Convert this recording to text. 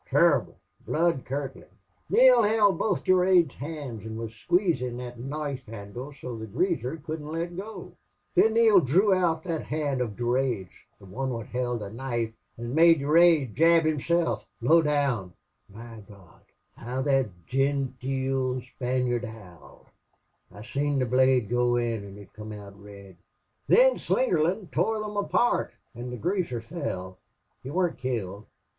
Tumble, blood curdlin'!... Neale held both Durade's hands an' wuz squeezin' thot knife handle so the greaser couldn't let go. "Thin Neale drew out thot hand of Durade's the wan wot held the knife an' made Durade jab himself, low down!... My Gawd! how thot jenteel Spaniard howled! I seen the blade go in an' come out red. Thin Slingerland tore thim apart, an' the greaser fell. He warn't killed.